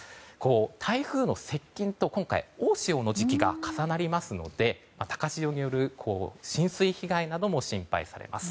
台風の接近と今回、大潮の時期が重なりますので高潮による浸水被害なども心配されます。